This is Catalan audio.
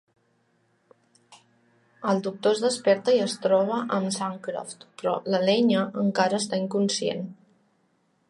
El Doctor es desperta i es troba amb en Sancroft, però l'Elenya encara està inconscient.